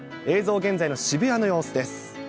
映像、現在の渋谷の様子です。